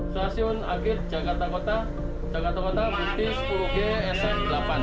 stasiun akhir jakarta kota jakarta kota b sepuluh g sm delapan